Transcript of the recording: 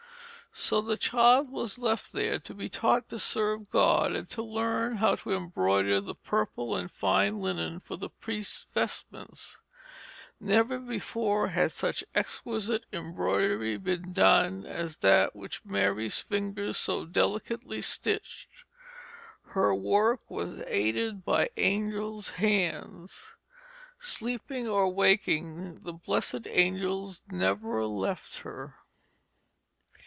So the child was left there to be taught to serve God and to learn how to embroider the purple and fine linen for the priests' vestments. Never before had such exquisite embroidery been done as that which Mary's fingers so delicately stitched, for her work was aided by angel hands. Sleeping or waking, the blessed angels never left her.